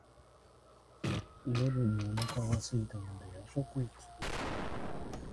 夜にお腹がすいたので夜食を作った。